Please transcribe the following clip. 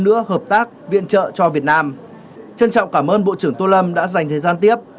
nữa hợp tác viện trợ cho việt nam trân trọng cảm ơn bộ trưởng tô lâm đã dành thời gian tiếp